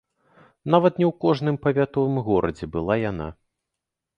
Нават не ў кожным павятовым горадзе была яна.